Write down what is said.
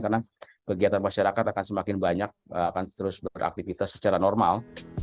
karena kegiatan masyarakat akan semakin banyak akan terus beraktivitas secara normal